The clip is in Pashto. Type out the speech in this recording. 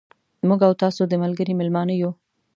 موږ او تاسو د ملګري مېلمانه یو.